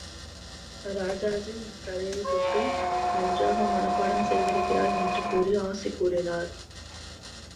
ராஜாஜி என் தலையைத் தொட்டு நன்றாக மனப்பாடம் செய்திருக்கிறாய் என்று சொல்லி ஆசி கூறினார்.